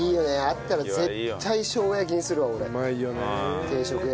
あったら絶対生姜焼きにするわ俺定食屋で。